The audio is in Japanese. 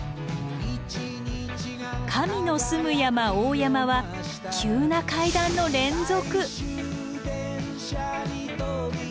神の住む山大山は急な階段の連続！